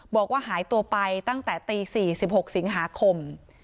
บอกว่าหายตัวไปตั้งแต่ตี๔๖สิงหาคม